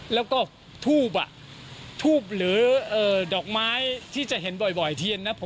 แล้วก็ทูบทูบหรือดอกไม้ที่จะเห็นบ่อยเทียนนะ